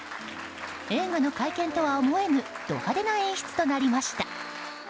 映画の会見とは思えぬド派手な演出となりました。